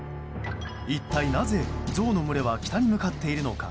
一体なぜ、ゾウの群れは北に向かっているのか。